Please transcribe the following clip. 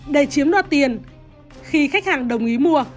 để chiếm đoạt tiền khi khách hàng đồng ý mua